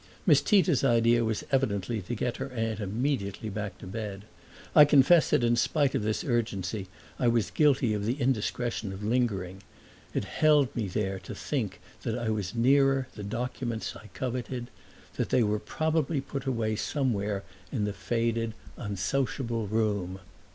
Miss Tita's idea was evidently to get her aunt immediately back to bed. I confess that in spite of this urgency I was guilty of the indiscretion of lingering; it held me there to think that I was nearer the documents I coveted that they were probably put away somewhere in the faded, unsociable room.